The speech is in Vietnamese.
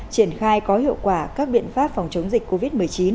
triển khai có hiệu quả các biện pháp phòng chống dịch covid một mươi chín